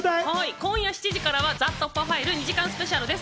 今夜７時からは『ＴＨＥ突破ファイル』２時間スペシャルです。